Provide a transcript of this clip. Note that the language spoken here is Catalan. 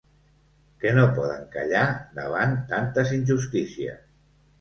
Que no poden callar davant tantes injustícies.